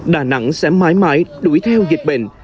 đà nẵng sẽ mãi mãi đuổi theo dịch bệnh